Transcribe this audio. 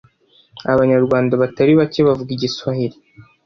Abanyarwanda batari bake bavuga Igiswahili.